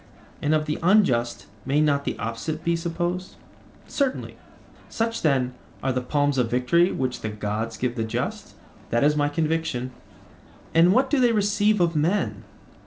And of the unjust may not the opposite be supposed? Certainly. Such, then, are the palms of victory which the gods give the just? That is my conviction. And what do they receive of men?